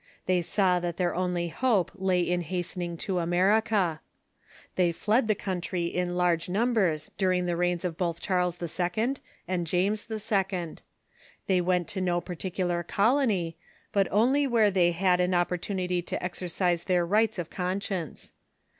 Tliey saw that their only hope lay in hastening to America. They fled the country in large numbers during the reigns of both Cliarles II. and James II. They went to no particular colony, but only where they had an oj)port unity to exercise their rights of conscience.